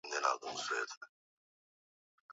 asalama kabisa pendo poa habari za jioni mimi pia njema